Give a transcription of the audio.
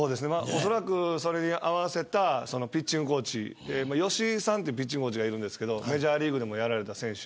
おそらく、それに合わせたピッチングコーチ吉井さんというピッチングコーチがいるんですがメジャーリーグでもやられた選手。